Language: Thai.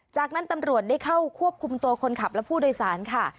จากนั้นตำรวจได้เข้าควบคุมตัวคนขับและผู้โดยสารค่ะ